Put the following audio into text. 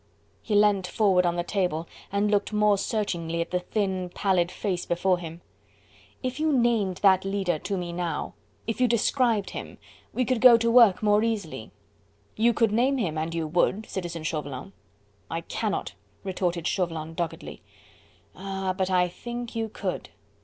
He leant forward on the table and looked more searchingly at the thin, pallid face before him. "If you named that leader to me now, if you described him, we could go to work more easily. You could name him, and you would, Citizen Chauvelin." "I cannot," retorted Chauvelin doggedly. "Ah! but I think you could.